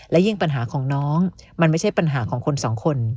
และยิ่งปัญหาของน้องมันไม่ใช่ปัญหาของคนสองคน